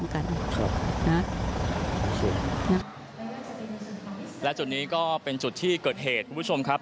คุณผู้ชมได้หานะครับ